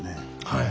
はい。